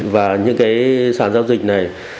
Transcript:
và những cái sàn giao dịch này